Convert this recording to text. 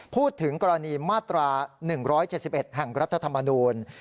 พูดถึงกรณีมาตรา๑๗๑แห่งรัฐธรรมนูล